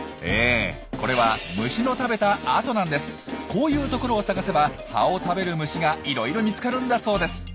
こういうところを探せば葉を食べる虫がいろいろ見つかるんだそうです。